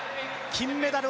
金メダル！